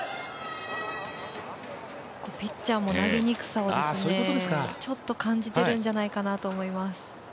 ピッチャーも、投げにくさを感じているんじゃないかと思います。